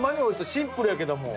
シンプルやけども。